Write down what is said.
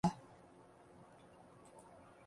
故事紧接着上一部展开。